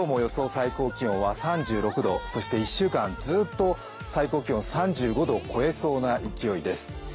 最高気温は３６度、そして１週間ずっと、最高気温３５度を超えそうな勢いです。